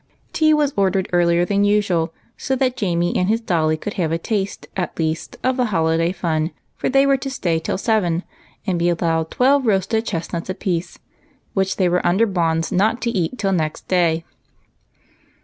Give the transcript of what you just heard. Tea was ordered earlier than usual, so that Jamie and his dolly could have a taste, at least, of the holi day fun, for they were to stay till seven, and be al lowed twelve roasted chestnuts apiece, which they were under bonds not to eat till next day.